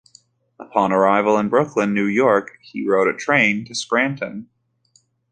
Upon arrival in Brooklyn, New York, he rode a train to Scranton.